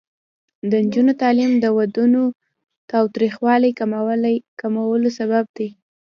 د نجونو تعلیم د ودونو تاوتریخوالي کمولو سبب دی.